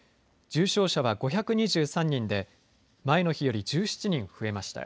重症者は５２３人で前の日より１７人増えました。